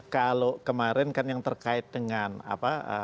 kalau kemarin kan yang terkait dengan apa